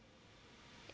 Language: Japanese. え